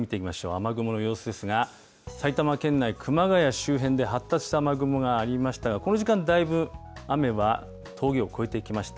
雨雲の様子ですが、埼玉県内、熊谷周辺で発達した雨雲がありましたが、この時間だいぶ雨は峠を越えてきました。